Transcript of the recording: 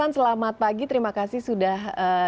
selamat pagi terima kasih